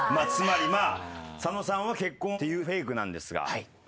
つまり佐野さんは結婚っていうフェイクなんですが。